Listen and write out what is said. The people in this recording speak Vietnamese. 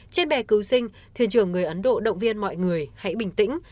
trên bè cứu sinh thuyền trưởng người ấn độ động viên mọi người hãy bình tĩnh